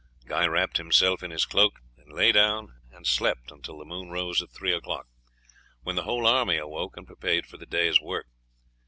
Guy wrapped himself in his cloak and lay down and slept until the moon rose at three o'clock, when the whole army awoke and prepared for the day's work.